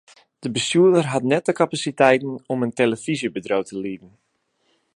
De bestjoerder hat net de kapasiteiten om in telefyzjebedriuw te lieden.